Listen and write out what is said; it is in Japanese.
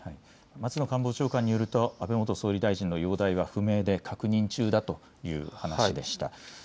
松野官房長官によると安倍元総理大臣の容体は不明で確認中だという話でした。